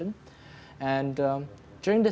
dan pada waktu ini